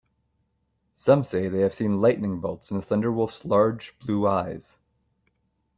Some say they have seen lightning bolts in the ThunderWolf's large blue eyes.